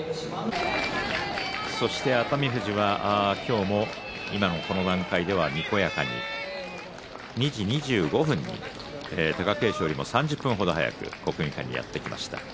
そして熱海富士は今日も今もこの段階では、にこやかに２時２５分に貴景勝よりも３０分程早く国技館にやって来ました。